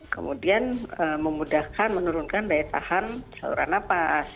kemudian memudahkan menurunkan daya tahan saluran nafas